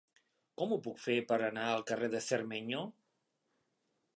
Com ho puc fer per anar al carrer de Cermeño?